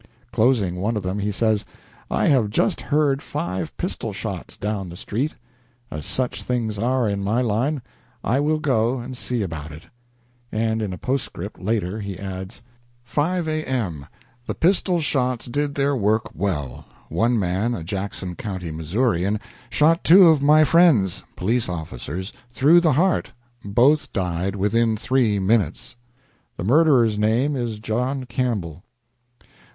Closing one of them, he says: "I have just heard five pistolshots down the street. As such things are in my line, I will go and see about it." And in a postscript, later, he adds: "5 A.M. The pistol shots did their work well. One man, a Jackson County Missourian, shot two of my friends (police officers) through the heart both died within three minutes. The murderer's name is John Campbell."